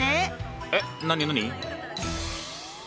えっ何何？